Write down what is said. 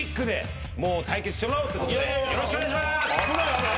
よろしくお願いします！